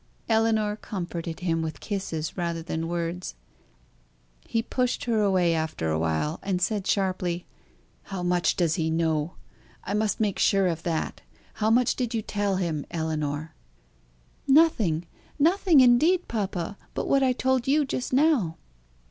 Ellinor comforted him with kisses rather than words. He pushed her away, after a while, and said, sharply: "How much does he know? I must make sure of that. How much did you tell him, Ellinor?" "Nothing nothing, indeed, papa, but what I told you just now!"